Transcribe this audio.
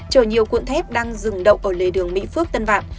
chở nhiều cuộn thép đang dừng đậu ở lề đường mỹ phước tân vạn